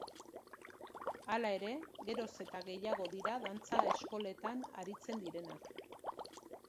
Hala ere, geroz eta gehiago dira dantza eskoletan aritzen direnak.